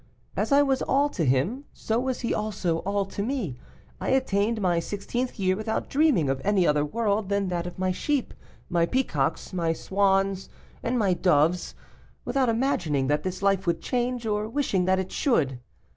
As I was all to him, so was he also all to me. I attained my sixteenth year without dreaming of any other world than that of my sheep, my peacocks, my swans, and my doves, without imagining that this life would change, or wishing that it should.